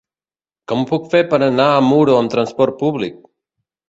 Com ho puc fer per anar a Muro amb transport públic?